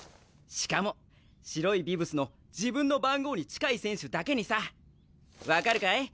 しかも白いビブスの自分の番号に近い選手だけにさ！分かるかい？